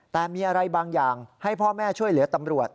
แต่มีอะไรบางอย่างให้พ่อแม่ช่วยเหลือตำรวจ